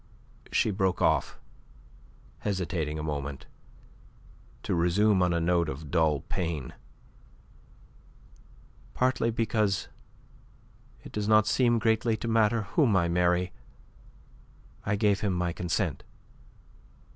She broke off, hesitating a moment, to resume on a note of dull pain, "Partly because it does not seem greatly to matter whom I marry, I gave him my consent.